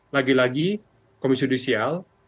lagi lagi komisi judisial